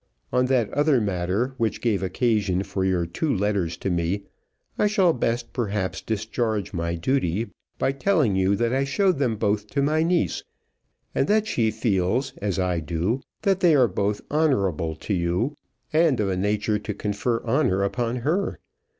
On that other matter which gave occasion for your two letters to me I shall best perhaps discharge my duty by telling you that I showed them both to my niece; and that she feels, as do I, that they are both honourable to you, and of a nature to confer honour upon her.